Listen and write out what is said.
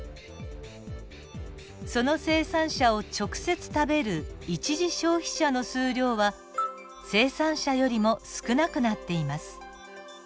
その生産者を直接食べる一次消費者の数量は生産者よりも少なくなっています。